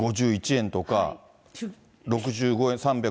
５１円とか、３６５円。